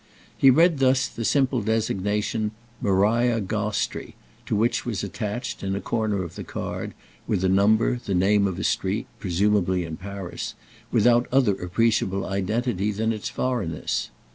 He read thus the simple designation "Maria Gostrey," to which was attached, in a corner of the card, with a number, the name of a street, presumably in Paris, without other appreciable identity than its foreignness.